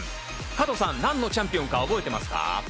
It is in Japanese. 加藤さん、何のチャンピオンか覚えてますか？